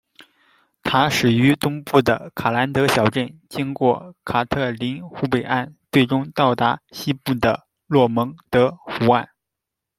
它始于东部的卡兰德小镇，经过卡特琳湖北岸，最终到达西部的洛蒙德湖岸。